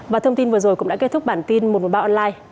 và thông tin vừa rồi cũng đã kết thúc bản tin một trăm một mươi ba online